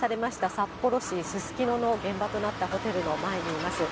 札幌市すすきのの現場となったホテルの前にいます。